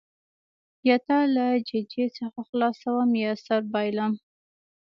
یا تا له ججې څخه خلاصوم یا سر بایلم.